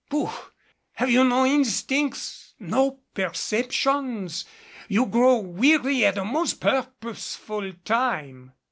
"Pouf! Have you no instincts no perceptions? You grow weary at a most purposeful time!"